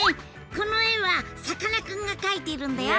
この絵はさかなクンが描いているんだよ！